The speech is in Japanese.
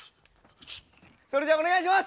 それじゃお願いします。